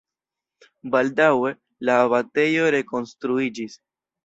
Baldaŭe la abatejo rekonstruiĝis.